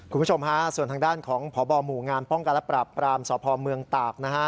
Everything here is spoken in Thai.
คุณผู้ชมค่ะส่วนทางด้านของพบหมู่งานป้องการปรับปรามสพเมืองตาก